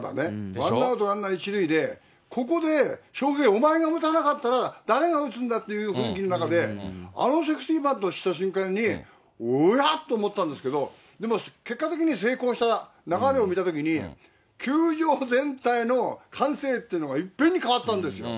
ワンアウトランナー１塁で、ここで翔平、お前が打たなかったら、誰が打つんだという雰囲気の中で、あのセーフティーバントをした瞬間に、うわっと思ったんですけど、でも結果的に成功した流れを見たときに、球場全体の歓声っていうのが、いっぺんに変わったんですよ。